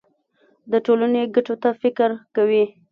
د ټولنې ګټو ته فکر کوي.